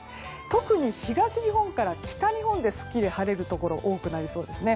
特に東日本から北日本ですっきり晴れるところ多くなりそうですね。